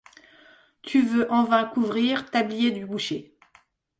Tu veux en vain couvrir, tablier du boucher